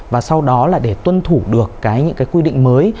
và sau đó là để tuân thủ được những cái quy định mới